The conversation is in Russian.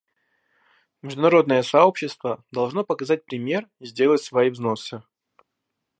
Международное сообщество должно показать пример и сделать свои взносы.